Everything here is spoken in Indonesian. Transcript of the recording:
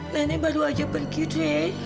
nenek baru aja pergi de